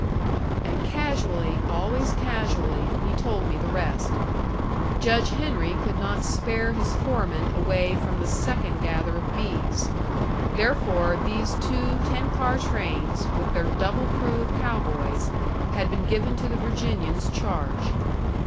And casually, always casually, he told me the rest. Judge Henry could not spare his foreman away from the second gather of beeves. Therefore these two ten car trains with their double crew of cow boys had been given to the Virginian's charge.